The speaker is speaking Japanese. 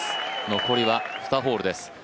残りは２ホールです。